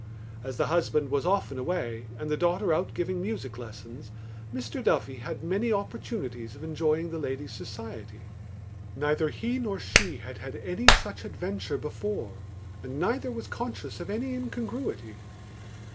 As the husband was often away and the daughter out giving music lessons Mr Duffy had many opportunities of enjoying the lady's society. Neither he nor she had had any such adventure before and neither was conscious of any incongruity.